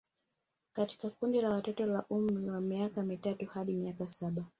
Katika kundi la watoto wa umri wa miaka mitatu hadi miaka saba